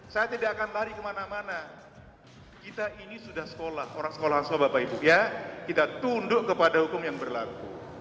saya tidak akan lari kemana mana kita ini sudah sekolah orang sekolah asal bapak ibu ya kita tunduk kepada hukum yang berlaku